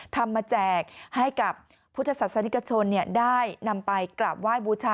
ทำมาแจกให้กับพุทธศาสนิกชนได้นำไปกราบไหว้บูชา